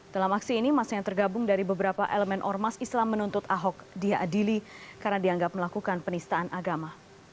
dalam aksi ini masa yang tergabung dari beberapa elemen ormas islam menuntut ahok diadili karena dianggap melakukan penistaan agama